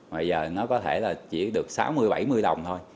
bây giờ nó có thể là chỉ được sáu mươi bảy mươi đồng thôi